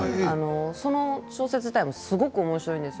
その小説自体もすごくおもしろいんですよ